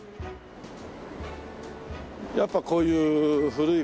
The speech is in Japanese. やっぱこういう古い感じの。